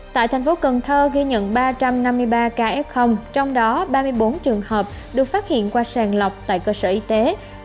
tại thành phố cần thơ ghi nhận ba trăm năm mươi ba ca f trong đó ba mươi bốn trường hợp được phát hiện qua sàng lọc tại cơ sở y tế